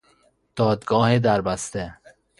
دادگاه دربسته